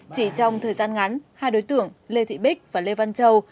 chỉ trong thời gian ngắn hai đối tượng lê thị bích và lê văn châu